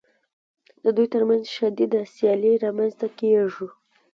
د دوی ترمنځ شدیده سیالي رامنځته کېږي